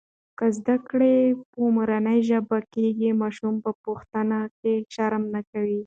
که زده کړه په مورنۍ ژبه کېږي، ماشوم په پوښتنه کې شرم نه کوي.